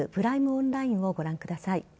オンラインをご覧ください。